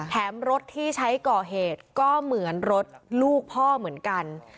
รถที่ใช้ก่อเหตุก็เหมือนรถลูกพ่อเหมือนกัน